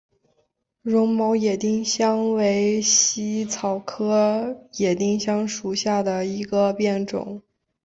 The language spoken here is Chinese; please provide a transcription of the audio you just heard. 绒毛野丁香为茜草科野丁香属下的一个变种。